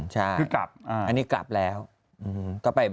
ใช่อันนี้กลับแล้วคือกลับ